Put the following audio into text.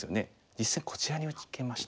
実戦こちらに受けました。